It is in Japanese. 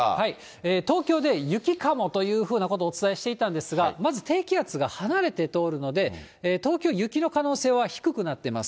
東京で雪かもというふうなことをお伝えしていたんですが、まず、低気圧が離れて通るので、東京、雪の可能性は低くなってます。